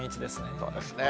そうですね。